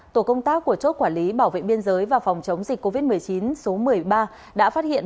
tổ công tác của chốt quản lý bảo vệ biên giới và phòng chống dịch covid một mươi chín số một mươi ba đã phát hiện